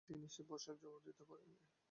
তিনি সে-প্রশ্নের জবাব দিতে পারেন নি।